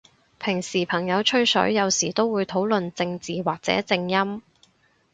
平時朋友吹水，有時都會討論正字或者正音？